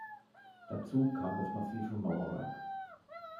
Dazu kam das massive Mauerwerk.